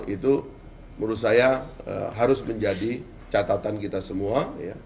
itu menurut saya harus menjadi catatan kita semua